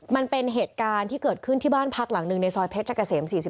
มันเป็นเหตุการณ์ที่เกิดขึ้นที่บ้านพักหลังหนึ่งในซอยเพชรเกษม๔๔